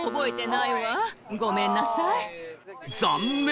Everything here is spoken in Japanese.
残念！